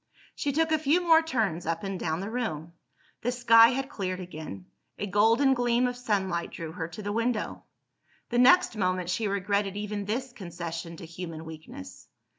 She took a few more turns up and down the room. The sky had cleared again; a golden gleam of sunlight drew her to the window. The next moment she regretted even this concession to human weakness.